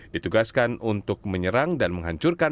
ditugaskan untuk menyerang dan menghancurkan